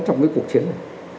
trong cái cuộc chiến này